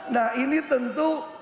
nah ini tentu